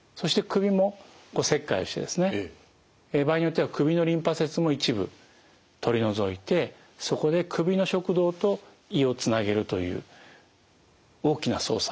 場合によっては首のリンパ節も一部取り除いてそこで首の食道と胃をつなげるという大きな操作